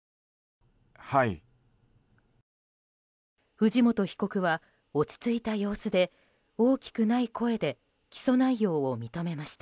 藤本被告は落ち着いた様子で大きくない声で起訴内容を認めました。